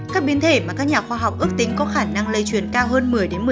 các biến thể mà các nhà khoa học ước tính có khả năng lây truyền cao hơn một mươi một mươi